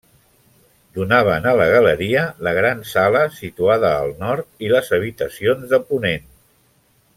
Donaven a la galeria la gran sala, situada al nord, i les habitacions de ponent.